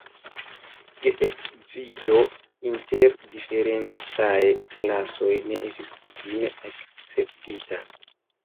Geedziĝo inter diferencaj klasoj ne estis kutime akceptita.